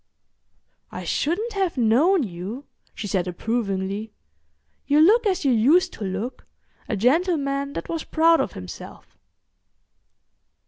"I shouldn't have known you," she said approvingly. "You look as you used to look—a gentleman that was proud of himself."